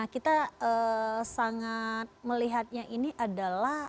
kita sangat melihatnya ini adalah